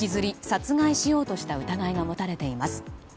殺害しようとした疑いが持たれています。